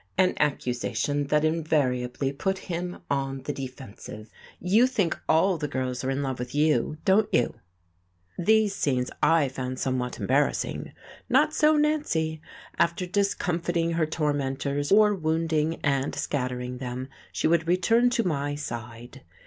An accusation that invariably put him on the defensive. "You think all the girls are in love with you, don't you?" These scenes I found somewhat embarrassing. Not so Nancy. After discomfiting her tormenters, or wounding and scattering them, she would return to my side....